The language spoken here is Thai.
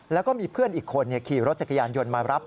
แล้วก็มีเพื่อนอีกคนขี่รถจักรยานยนต์มารับ